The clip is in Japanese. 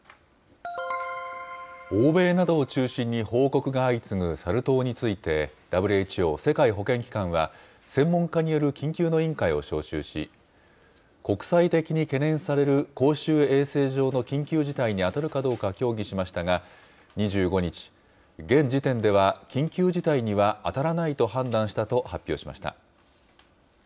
欧米などを中心に報告が相次ぐサル痘について、ＷＨＯ・世界保健機関は、専門家による緊急の委員会を招集し、国際的に懸念される公衆衛生上の緊急事態に当たるかどうか協議しましたが、２５日、現時点では緊急事態には当たらないと判断したと発表しました。